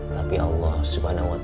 tapi allah swt